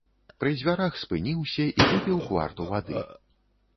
Пры дзвярах спыніўся і выпіў кварту вады.